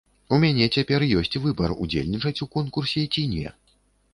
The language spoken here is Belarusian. У мяне цяпер ёсць выбар, удзельнічаць у конкурсе, ці не.